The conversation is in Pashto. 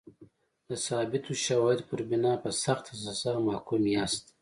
د ثابتو شواهدو پر بنا په سخته سزا محکوم یاست.